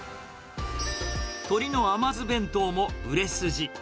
鶏の甘酢弁当も売れ筋。